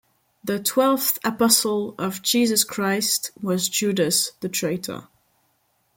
The "twelfth apostle" of Jesus Christ was Judas, the traitor.